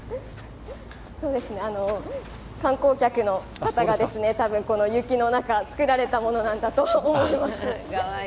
観光客の方が多分、この雪の中作られたものなんだと思います。